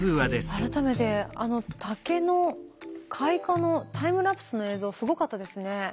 改めてあの竹の開花のタイムラプスの映像すごかったですね。